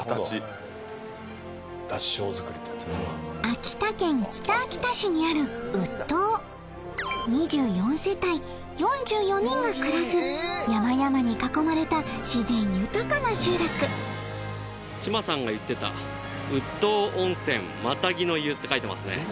秋田県北秋田市にある打当山々に囲まれた自然豊かな集落チマさんが言ってた「打当温泉マタギの湯」って書いてますね。